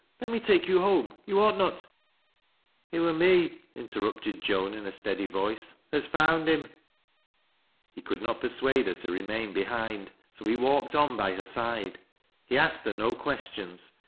Let irn> take you home. You ought not "" It wur me," interrupted Joan, in a steady voice, " af found him." He could not persuade her to remain behind, bo he walked on by her side. He asked her no questions.